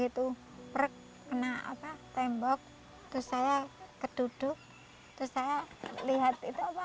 yaitu pernah apa tembok ke saya keduduk ke saya lihat drama